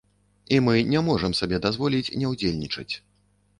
І мы не можам сабе дазволіць не ўдзельнічаць.